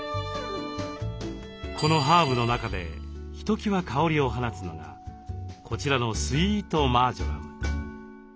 このハーブの中でひときわ香りを放つのがこちらのスイートマージョラム。